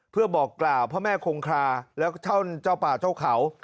เพื่อบอกกล่าวพระแม่คงคาแล้วก็เจ้าป่าเจ้าเขา